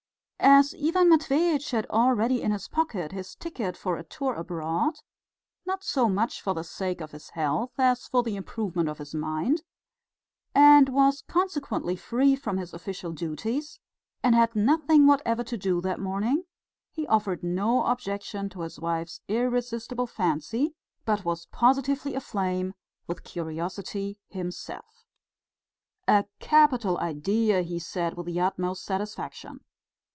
As Ivan Matveitch had already in his pocket his ticket for a tour abroad (not so much for the sake of his health as for the improvement of his mind), and was consequently free from his official duties and had nothing whatever to do that morning, he offered no objection to his wife's irresistible fancy, but was positively aflame with curiosity himself. "A capital idea!" he said, with the utmost satisfaction.